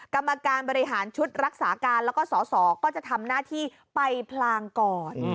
กรรมการบริหารชุดรักษาการแล้วก็สสก็จะทำหน้าที่ไปพลางก่อน